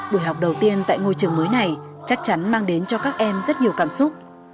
buổi học đầu tiên tại ngôi trường mới này chắc chắn mang đến cho các em rất nhiều cảm xúc